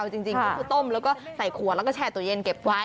จริงก็คือต้มแล้วก็ใส่ขวดแล้วก็แช่ตัวเย็นเก็บไว้